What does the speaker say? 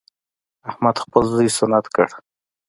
احمد خپل زوی سنت کړ.